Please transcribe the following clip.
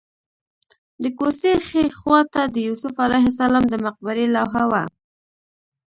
د کوڅې ښي خوا ته د یوسف علیه السلام د مقبرې لوحه وه.